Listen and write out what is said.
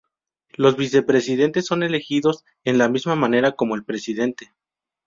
Los Vicepresidentes son elegidos en la misma manera como el Presidente.